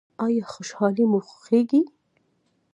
ایا خوشحالي مو خوښیږي؟